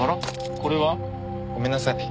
これは？ごめんなさい。